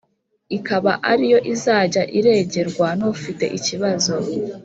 Ikaba ariyo izajya iregerwa n ufite ikibazo